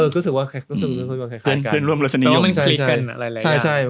คลื่นรวมรสนิยม